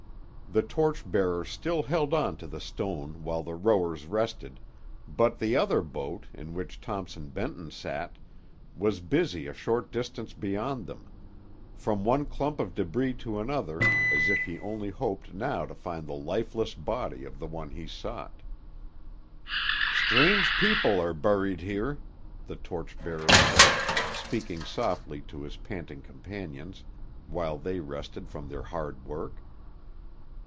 The torch bearer still held on to the stone while the rowers rested, but the other boat, in which Thompson Benton sat, was busy a short distance beyond them; from one clump of debris to another, as if he only hoped now to find the lifeless body of the one he sought. "Strange people are buried here," the torch bearer said, speaking softly to his panting companions, while they rested from their hard work.